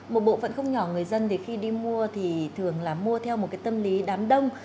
một bộ phận không nhỏ người dân thì khi đi mua thì thường là mua theo một cái tâm lý đám đông